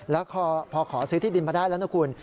แล้วพอขอซื้อที่ดินมาได้แล้วนะคุณ